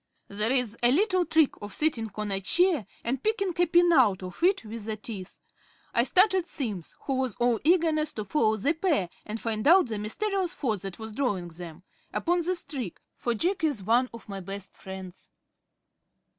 There is a little trick of sitting on a chair and picking a pin out of it with the teeth. I started Simms who was all eagerness to follow the pair, and find out the mysterious force that was drawing them upon this trick, for Jack is one of my best friends.